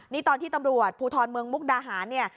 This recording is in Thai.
นี่ตอนที่ตำรวจภูทรเมืองมุกดาหารเนี่ย